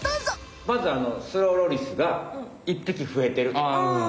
まずスローロリスが一匹増えてる。